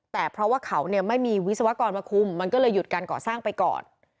แต่เพราะว่าเขาเนี่ยไม่มีวิศวกรมาคุมมันก็เลยหยุดการก่อสร้างไปก่อน